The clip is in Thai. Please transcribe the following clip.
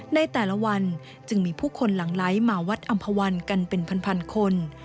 ในแต่ละวันจึงมีผู้คนหลังไหลมาวัดอำภาวันกันเป็นพันคน